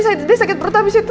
tadi dia sakit perut abis itu